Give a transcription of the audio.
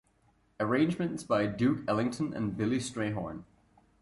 Arrangements by Duke Ellington and Billy Strayhorn.